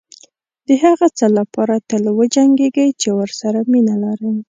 دهغه څه لپاره تل وجنګېږئ چې ورسره مینه لرئ.